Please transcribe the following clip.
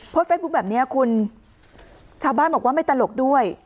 เฟซบุ๊คแบบนี้คุณชาวบ้านบอกว่าไม่ตลกด้วย